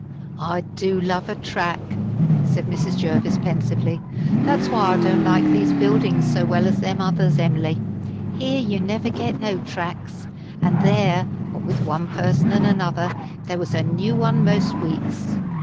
"I do love a track!" said Mrs. Jervis, pensively. "That's why I don't like these buildings so well as them others, Em'ly. Here you never get no tracks; and there, what with one person and another, there was a new one most weeks.